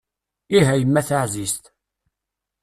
Ih a yemma taɛzizt.